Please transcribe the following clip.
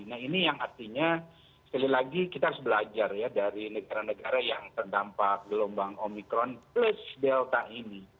nah ini yang artinya sekali lagi kita harus belajar ya dari negara negara yang terdampak gelombang omikron plus delta ini